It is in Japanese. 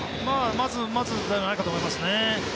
まずまずじゃないかと思いますね。